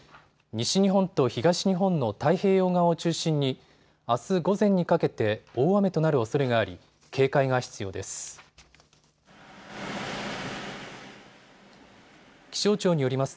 西日本と東日本の太平洋側を中心にあす午前にかけて大雨となるおそれがあり警戒が必要です。